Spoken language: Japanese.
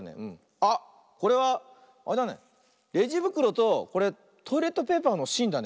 あっこれはあれだねレジぶくろとこれトイレットペーパーのしんだね。